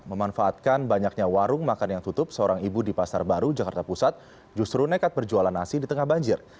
memanfaatkan banyaknya warung makan yang tutup seorang ibu di pasar baru jakarta pusat justru nekat berjualan nasi di tengah banjir